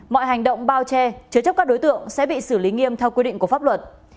mọi hành động bao che chứa chấp các đối tượng sẽ bị xử lý nghiêm theo quy định của pháp luật